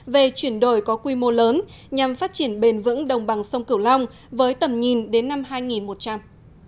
về chuyển đổi có quy mô lớn nhằm phát triển bền vững đồng bằng sông cửu long với tầm nhìn đến năm hai nghìn một trăm linh